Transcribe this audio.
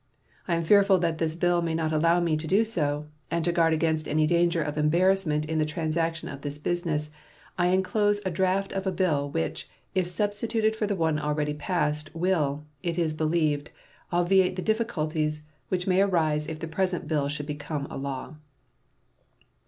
I am fearful that this bill may not allow me to do so, and to guard against any danger of embarrassment in the transaction of this business I inclose a draft of a bill which, if substituted for the one already passed, will, it is believed, obviate the difficulties which may arise if the present bill should become a law.